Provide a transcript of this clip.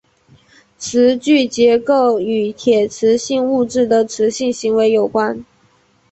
磁矩结构与铁磁性物质的磁性行为有关。